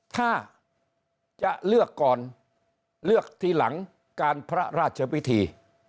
ถ้าจะเลือกก่อนเลือกทีหลังการพระราชพิธี